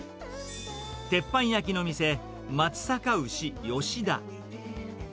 鉄板焼きの店、松阪牛よし田。